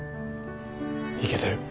いけてる。